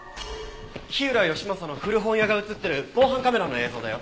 火浦義正の古本屋が映ってる防犯カメラの映像だよ。